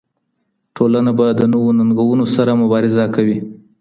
ټولنه به د نويو ننګونو سره مبارزه کوي.